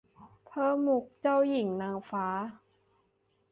เพิ่มมุขเจ้าหญิงนางฟ้า